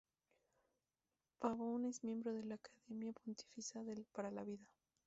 Pavone es miembro de la Academia Pontificia para la Vida.